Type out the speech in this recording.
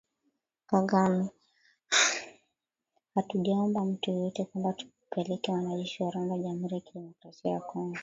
Kagame: Hatujaomba mtu yeyote kwamba tupeleke wanajeshi wa Rwanda Jamhuri ya kidemokrasia ya Kongo.